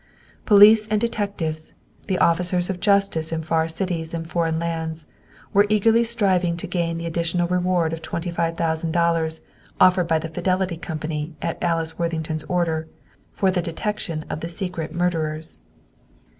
Police and detectives, the officers of justice in far cities and foreign lands, were eagerly striving to gain the additional reward of twenty five thousand dollars offered by the Fidelity Company, at Alice Worthington's order, for the detection of the secret murderers.